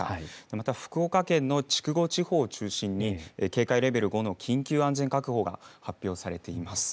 また福岡県の筑後地方を中心に警戒レベル５の緊急安全確保が発表されています。